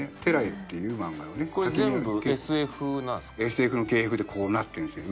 ＳＦの系譜でこうなってるんですよ